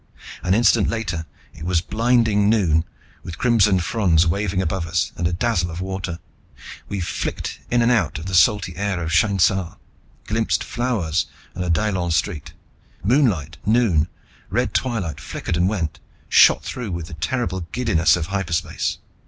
An instant later it was blinding noon, with crimson fronds waving above us and a dazzle of water. We flicked in and out of the salty air of Shainsa, glimpsed flowers on a Daillon street, moonlight, noon, red twilight flickered and went, shot through with the terrible giddiness of hyperspace.